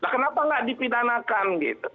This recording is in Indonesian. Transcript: kenapa tidak dipidanakan